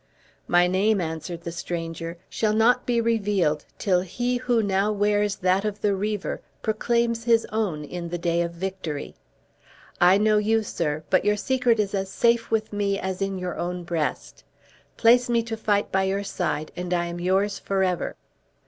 "My name," answered the stranger, "shall not be revealed till he who now wears that of the Reaver proclaims his own in the day of victory. I know you, sir, but your secret is as safe with me as in your own breast. Place me to fight by your side, and I am yours forever."